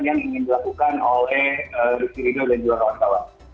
yang ingin dilakukan oleh rizky ridho dan juga kawan kawan